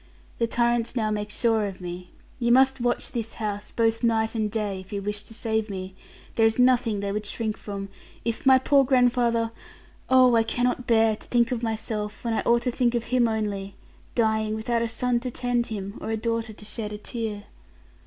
The tyrants now make sure of me. You must watch this house, both night and day, if you wish to save me. There is nothing they would shrink from; if my poor grandfather oh, I cannot bear to think of myself, when I ought to think of him only; dying without a son to tend him, or a daughter to shed a tear.'